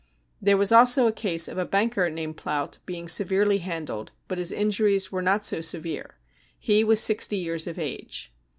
There was also a case of a banker named Plant being severely handled, but his injuries were not so severe ; he was sixty years of age.